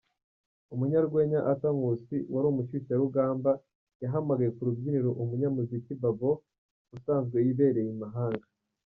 Umunyarwenya Arthur Nkusi wari umushyushyarugamba yahamagaye ku rubyiniro umunyamuziki Babo usanzwe wibereye i mahanga.